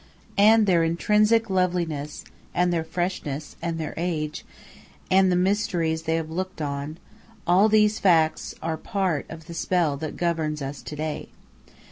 And their intrinsic loveliness, and their freshness, and their age, and the mysteries they have looked on all these facts are part of the spell that governs us to day.